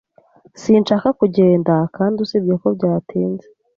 Sinshaka kugenda, kandi usibye ko byatinze.